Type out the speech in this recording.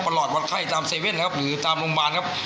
ประหลอดวัดไข้ตามเซเว่นนะครับหรือตามโรงพยาบาลครับ